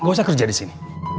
gak usah kerja di sini